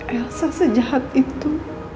elsa sejahat itu